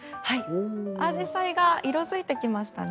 アジサイが色付いてきましたね。